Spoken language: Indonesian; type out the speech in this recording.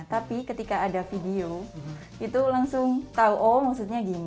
tapi ketika ada video itu langsung tahu oh maksudnya gini